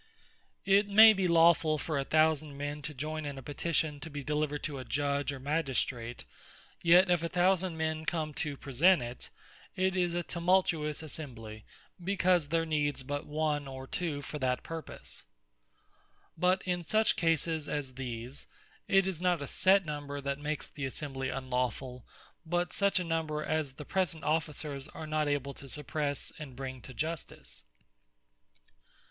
It may be lawfull for a thousand men, to joyn in a Petition to be delivered to a Judge, or Magistrate; yet if a thousand men come to present it, it is a tumultuous Assembly; because there needs but one or two for that purpose. But in such cases as these, it is not a set number that makes the Assembly Unlawfull, but such a number, as the present Officers are not able to suppresse, and bring to Justice.